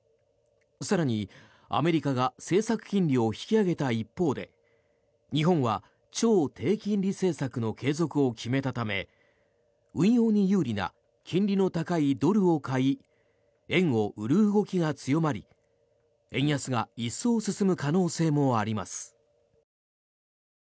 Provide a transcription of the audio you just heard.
更に、アメリカが政策金利を引き上げた一方で日本は超低金利政策の継続を決めたため運用に有利な金利の高いドルを買い円を売る動きが強まり円安が一層進む可能性もあります。